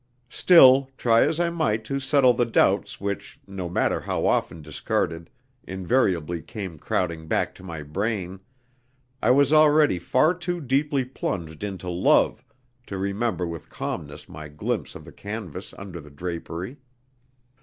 Still, try as I might to settle the doubts which, no matter how often discarded, invariably came crowding back to my brain, I was already far too deeply plunged into love to remember with calmness my glimpse of the canvas under the drapery.